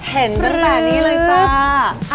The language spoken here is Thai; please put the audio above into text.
เห็นตั้งแต่นี้เลยจ้า